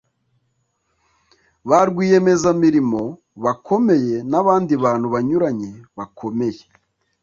ba rwiyemezamirimo bakomeye n’abandi bantu banyuranye bakomeye